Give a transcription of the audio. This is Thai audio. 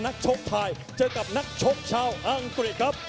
ชกไทยเจอกับนักชกชาวอังกฤษครับ